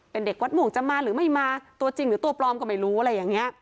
เป็นเด็กวัดม่วงจะมาหรือไม่มาตัวจริงหรือตัวปลอมก็ไม่รู้อะไรอย่างนี้